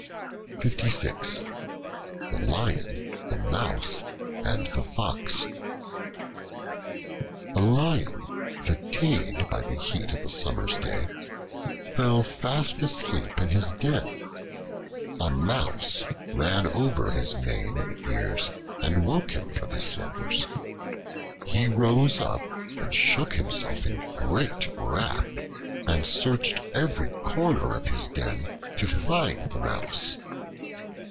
The Lion, the Mouse, and the Fox A LION, fatigued by the heat of a summer's day, fell fast asleep in his den. A Mouse ran over his mane and ears and woke him from his slumbers. He rose up and shook himself in great wrath, and searched every corner of his den to find the Mouse.